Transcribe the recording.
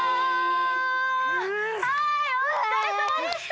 はいおつかれさまでした！